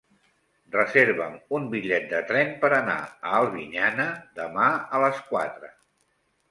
Reserva'm un bitllet de tren per anar a Albinyana demà a les quatre.